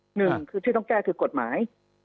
หนึ่งคือที่ต้องแก้คือกฎหมาย